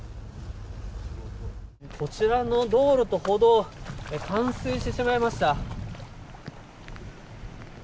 こちらの道路と歩道冠水してしまいました。